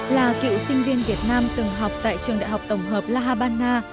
là cựu sinh viên việt nam từng học tại trường đại học tổng hợp la habana